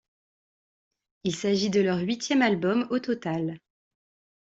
Il s'agit de leur huitième album au total.